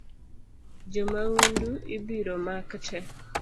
Jo maundu ibiro mak tee